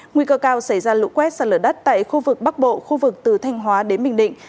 nguy cơ cao xảy ra lũ quét sạt lở đất tại khu vực bắc bộ khu vực từ thanh hóa đến bình định